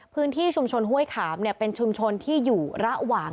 พื้นที่ชุมชนห้วยขามเป็นชุมชนที่อยู่ระหว่าง